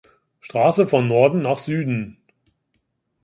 Straße von Norden nach Süden.